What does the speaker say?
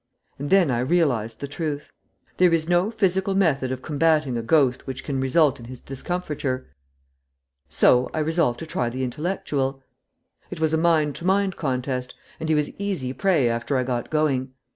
And then I realized the truth. There is no physical method of combating a ghost which can result in his discomfiture, so I resolved to try the intellectual. It was a mind to mind contest, and he was easy prey after I got going.